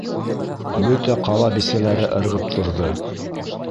Бөтә ҡала бисәләре ырғып торҙо.